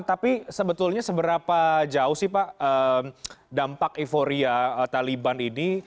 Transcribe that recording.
tapi sebetulnya seberapa jauh sih pak dampak euforia taliban ini